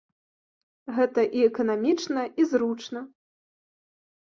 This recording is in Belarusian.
Гэта і эканамічна, і зручна.